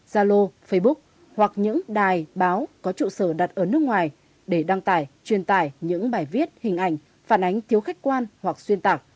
zalo facebook hoặc những đài báo có trụ sở đặt ở nước ngoài để đăng tải truyền tải những bài viết hình ảnh phản ánh thiếu khách quan hoặc xuyên tạc